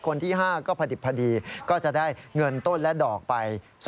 คนที่๕ก็พอดิบพอดีก็จะได้เงินต้นและดอกไป